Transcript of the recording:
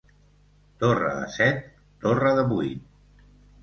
Torre de set, torre de vuit.